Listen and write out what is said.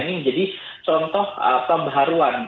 nah ini jadi contoh apa berharuan